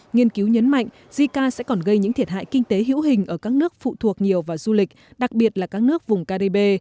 nghiên cứu nhấn mạnh jica sẽ còn gây những thiệt hại kinh tế hữu hình ở các nước phụ thuộc nhiều vào du lịch đặc biệt là các nước vùng caribe